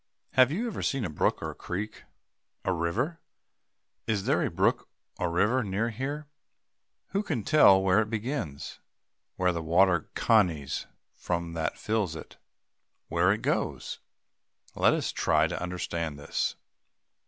Have you ever seen a brook or creek? A river? Is there a brook or river near here? Who can tell where it begins? where the water conies from that fills it? where it goes? Let us try to understand this.